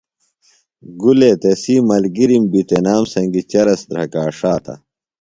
گُلے تسی ملگِرِم بیۡ تنام سنگیۡ چرس دھرکا ݜاتہ۔